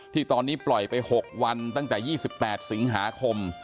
ที่ตอนนี้ปล่อยไป๖วันตั้งแต่๒๘สิงหาคม